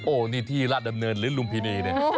โอ้โหนี่ที่ราชดำเนินหรือลุมพินีเนี่ย